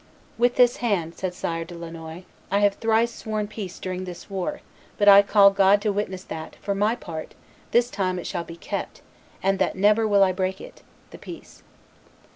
"With this hand," said Sire de Lannoy, "I have thrice sworn peace during this war; but I call God to witness that, for my part, this time it shall be kept, and that never will I break it (the peace)."